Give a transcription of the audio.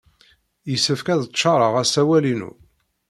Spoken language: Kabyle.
Yessefk ad ččaṛeɣ asawal-inu.